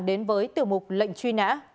đến với tiểu mục lệnh truy nã